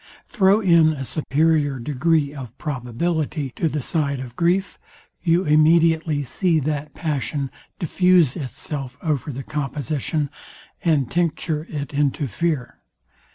Throw in a superior degree of probability to the side of grief, you immediately see that passion diffuse itself over the composition, and tincture it into fear.